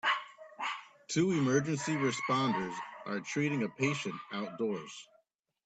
Two emergency responders are treating a patient outdoors.